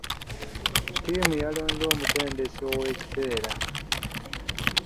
Ttiimu yalonze omutendesi ow'ekiseera.